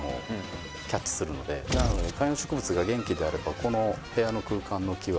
観葉植物が元気であればこの部屋の空間の気はいい。